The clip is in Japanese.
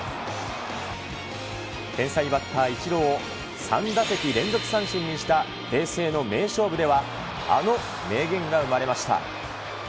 天才バッター、イチローを３打席連続三振にした平成の名勝負では、あの名言が生まれました。